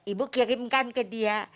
ibu kirimkan ke dia